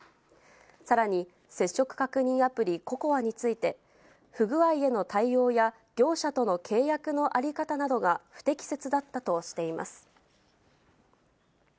さらに、接触確認アプリ、ＣＯＣＯＡについて、不具合への対応や業者との契約の在り方などが不適切だったとしています。